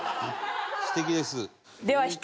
素敵です。